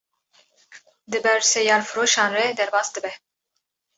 di ber seyarfiroşan re derbas dibe